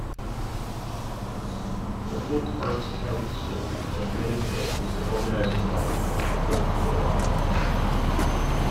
The Folk Arts Council of Winnipeg is the organizing body of Folklorama.